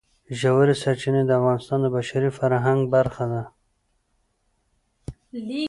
ژورې سرچینې د افغانستان د بشري فرهنګ برخه ده.